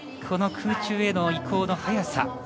この空中への移行の早さ。